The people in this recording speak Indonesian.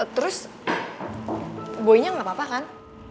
terus boynya gak apa apa kan